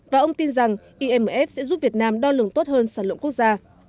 và ông tin rằng imf sẽ giúp việt nam đo lường tốt hơn sản lượng quốc gia